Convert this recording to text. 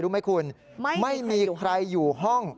รู้ไหมคุณไม่มีใครอยู่ห้อง